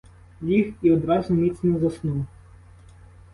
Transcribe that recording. Ліг і одразу міцно заснув.